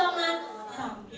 tuyamnya meminta kesolongan